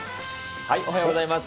おはようございます。